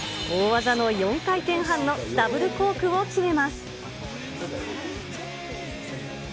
大技の４回転半のダブルコークを決めます。